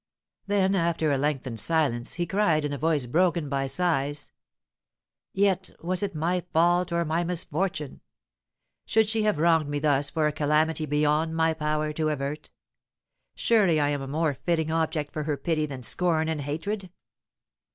Then, after a lengthened silence, he cried, in a voice broken by sighs, "Yet, was it my fault or my misfortune? Should she have wronged me thus for a calamity beyond my power to avert? Surely I am a more fitting object for her pity than scorn and hatred."